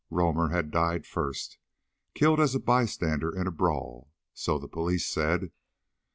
Romer had died first killed as a bystander in a brawl. So the police said.